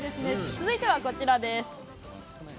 続いてはこちらです。